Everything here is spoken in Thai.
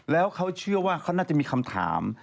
แล้วเขาเชื่อว่าเขาน่าจะมีคำถาม